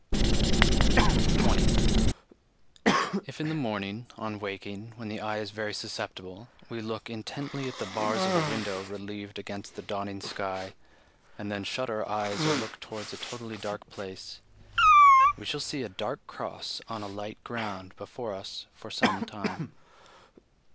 20. If in the morning, on waking, when the eye is very susceptible, we look intently at the bars of a window relieved against the dawning sky, and then shut our eyes or look towards a totally dark place, we shall see a dark cross on a light ground before us for some time.